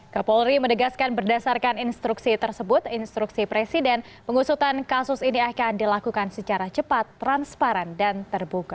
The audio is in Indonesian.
kapolri menegaskan berdasarkan instruksi tersebut instruksi presiden pengusutan kasus ini akan dilakukan secara cepat transparan dan terbuka